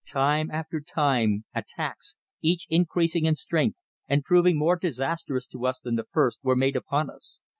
Time after time attacks, each increasing in strength and proving more disastrous to us than the first, were made upon us.